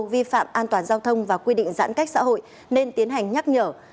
vi phạm an toàn giao thông và quy định giãn cách xã hội nên tiến hành nhắc nhở